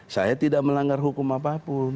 saya tidak melanggar hukum apapun